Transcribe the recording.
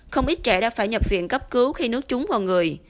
không ít trẻ đã phải nhập viện cấp cứu